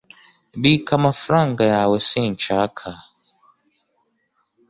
Bika amafaranga yawe Sinshaka